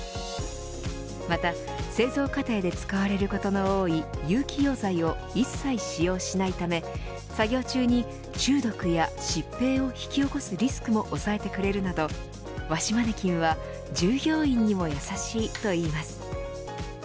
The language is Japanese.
また製造過程で使われることの多い有機溶剤を一切使用しないため作業中に中毒や疾病を引き起こすリスクも抑えてくれるなど和紙マネキンは従業員にも優しいといいます。